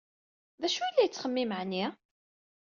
D acu ay yella yettxemmim, ɛni?